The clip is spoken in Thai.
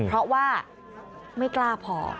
เพราะว่าไม่กล้าพอ